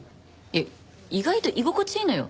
いや意外と居心地いいのよ